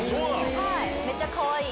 めちゃかわいい！